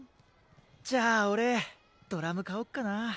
じゃあ俺ドラム買おっかな。